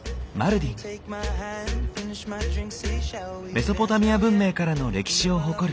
メソポタミア文明からの歴史を誇る。